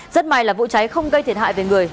rất may là vụ cháy không gây thiệt hại về người